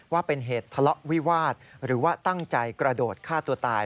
ว่าเป็นเหตุทะเลาะวิวาสหรือว่าตั้งใจกระโดดฆ่าตัวตาย